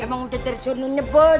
emang udah tersurnunya bos